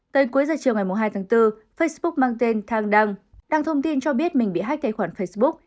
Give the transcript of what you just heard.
tới cuối giờ chiều ngày hai tháng bốn facebook mang tên tang dong đăng thông tin cho biết mình bị hách tài khoản facebook